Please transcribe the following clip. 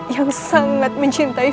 yang sangat mencintai